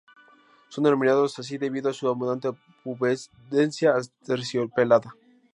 Son denominados así debido a su abundante pubescencia aterciopelada.